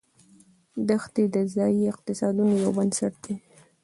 دښتې د ځایي اقتصادونو یو بنسټ دی.